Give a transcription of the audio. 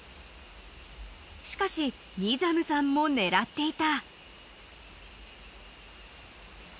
［しかしニザムさんも狙っていた］